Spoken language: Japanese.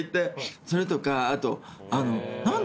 それとかあと。